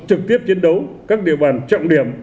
trực tiếp chiến đấu các địa bàn trọng điểm